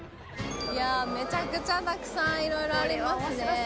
めちゃくちゃたくさんいろいろありますね。